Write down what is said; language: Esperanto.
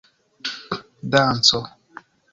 danco